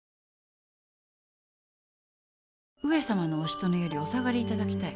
上様のおしとねよりお下がり頂きたい。